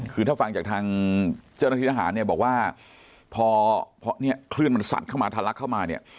คือถ้าฟังจากทางเจ้าหน้าทิศอาหารบอกว่าพอเครื่องมันสัดเข้ามาทัลลักษณ์เข้ามา